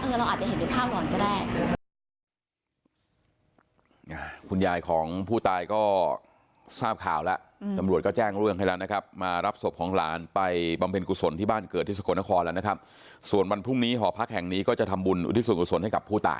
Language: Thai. เราเห็นอยู่ภาพหลอนแต่ก็คิดว่าเราอาจจะเห็นอยู่ภาพหลอนก็ได้